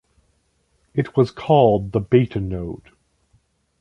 It was called the Beta node.